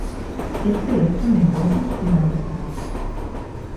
Este hecho menguó sus finanzas.